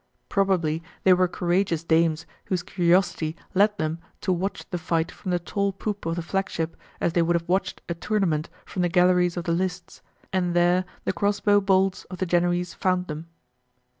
Probably they were courageous dames whose curiosity led them to watch the fight from the tall poop of the flagship as they would have watched a tournament from the galleries of the lists, and there the cross bow bolts of the Genoese found them.